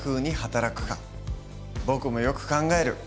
僕もよく考える。